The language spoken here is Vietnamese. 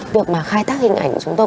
việc mà khai thác hình ảnh của chúng tôi